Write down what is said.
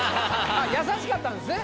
やさしかったんですね。